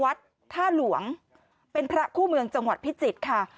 วัดท่าหลวงเป็นพระคู่เมืองจังหวัดพิจิตรค่ะ